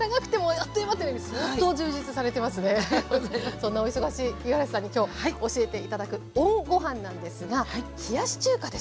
そんなお忙しい五十嵐さんにきょう教えて頂くＯＮごはんなんですが冷やし中華です。